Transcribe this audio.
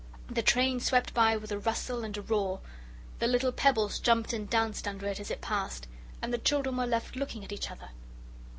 The train swept by with a rustle and roar, the little pebbles jumped and danced under it as it passed, and the children were left looking at each other.